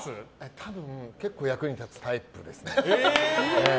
多分、結構役に立つタイプです。